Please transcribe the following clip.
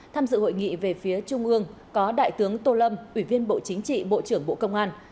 tham dự hội nghị về phía trung ương có đại tướng tô lâm ủy viên bộ chính trị bộ trưởng bộ công an